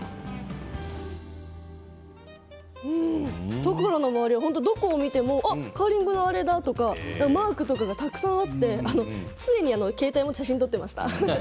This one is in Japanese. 常呂の周り、どう見てもカーリングのあれだってマークがたくさんあって常に携帯で写真を撮っていました。